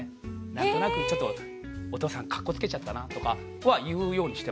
何となくちょっとお父さんかっこつけちゃったなとかは言うようにしてます。